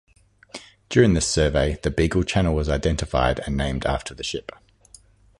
During this survey, the Beagle Channel was identified and named after the ship.